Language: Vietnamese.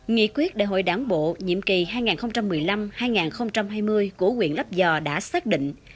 nghị quyết đại hội đáng bộ nhiệm kỳ hai nghìn một mươi năm hai nghìn hai mươi của huyện lấp vò đã xác định